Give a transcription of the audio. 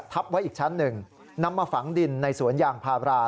ไว้อีกชั้นหนึ่งนำมาฝังดินในสวนยางพารา